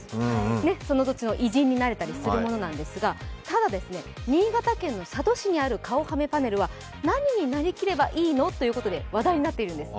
その土地の偉人になれたりするものなんですが、ただ新潟県の佐渡市にある顔パネルは何になりきれば良いのかと話題になっているんです。